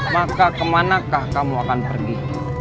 maka kemanakah kamu akan pergi